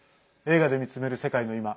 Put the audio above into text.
「映画で見つめる世界のいま」